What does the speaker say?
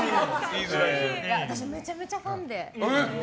私、めちゃめちゃファンで。